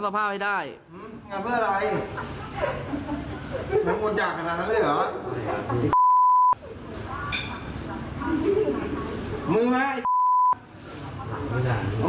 มึงไม่มีสิทธิ์เลือดของมึง